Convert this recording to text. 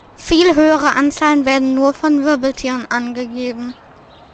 Viel höhere Anzahlen werden nur von Wirbeltieren angegeben.